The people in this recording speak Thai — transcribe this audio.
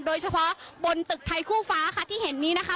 โดยเฉพาะบนตึกไทยคู่ฟ้าค่ะที่เห็นนี้นะคะ